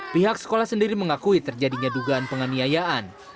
pihak sekolah sendiri mengakui terjadinya dugaan penganiayaan